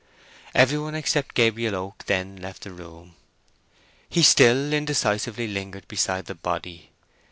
Every one except Gabriel Oak then left the room. He still indecisively lingered beside the body.